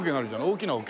大きな桶？